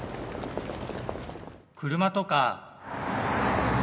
車とか。